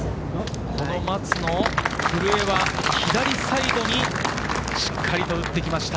古江は松の左サイドにしっかりと打ってきました。